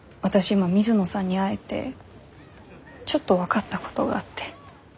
今水野さんに会えてちょっと分かったことがあって。